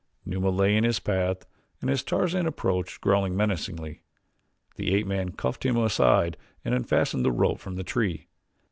Numa lay in his path and as Tarzan approached growled menacingly. The ape man cuffed him aside and unfastened the rope from the tree.